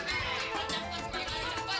udah dipercayakan sekarang